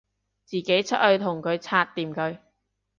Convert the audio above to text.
自己出去同佢拆掂佢